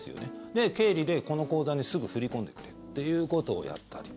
で、経理でこの口座にすぐ振り込んでくれということをやったり。